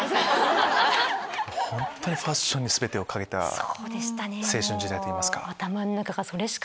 本当にファッションに全てを懸けた青春時代といいますか。